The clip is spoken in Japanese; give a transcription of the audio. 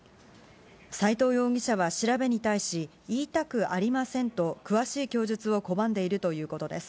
斎藤容疑者は調べに対し、言いたくありませんと、詳しい供述を拒んでいるということです。